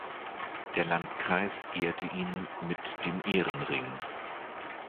Der Landkreis ehrte ihn mit dem Ehrenring.